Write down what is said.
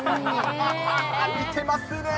見てますね。